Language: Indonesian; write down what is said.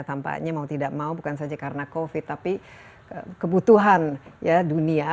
tampaknya mau tidak mau bukan saja karena covid tapi kebutuhan dunia